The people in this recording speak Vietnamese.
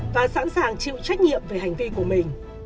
và sẵn sàng chịu trách nhiệm về hành vi của mình